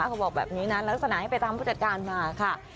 เขาบอกแบบนี้นะลักษณะให้ไปตามผู้จัดการมาค่ะ